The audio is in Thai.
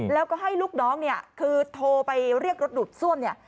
แล้วก็ให้ลูกน้องเนี่ยคือโทรไปเรียกรถดูดซ่วมเนี่ย